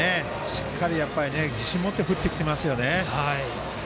しっかり自信を持って振ってきていますね。